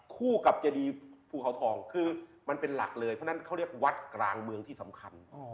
คู่กับเจดีภูเขาทองคือมันเป็นหลักเลยเพราะฉะนั้นเขาเรียกวัดกลางเมืองที่สำคัญ